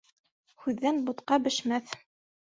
Һүҙҙән бутҡа бешмәҫ.